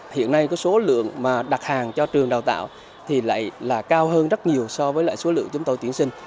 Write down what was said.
hiện nay số lượng đặt hàng cho trường đào tạo lại cao hơn rất nhiều so với số lượng chúng tôi tuyển sinh